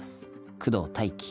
工藤大輝